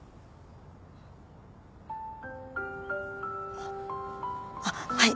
あっあっはい。